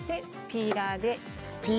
ピーラーで。